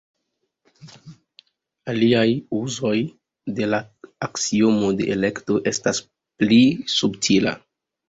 Aliaj uzoj de la aksiomo de elekto estas pli subtila.